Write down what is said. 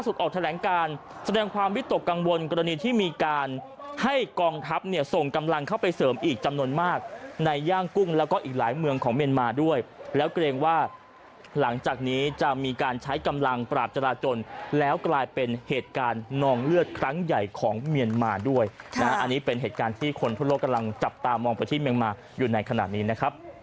ออกแถลงการแสดงความวิตกกังวลกรณีที่มีการให้กองทัพเนี่ยส่งกำลังเข้าไปเสริมอีกจำนวนมากในย่างกุ้งแล้วก็อีกหลายเมืองของเมียนมาด้วยแล้วเกรงว่าหลังจากนี้จะมีการใช้กำลังปราบจราจนแล้วกลายเป็นเหตุการณ์นองเลือดครั้งใหญ่ของเมียนมาด้วยนะอันนี้เป็นเหตุการณ์ที่คนทั่วโลกกำลังจับตามองไปที่เมียนมาอยู่ในขณะนี้นะครับ